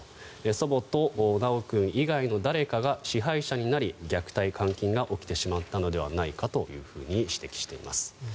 祖母と修君以外の誰かが支配者になり虐待・監禁が起きてしまったのではないかと指摘しています。